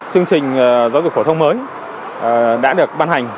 chương trình giáo dục phổ thông mới đã được ban hành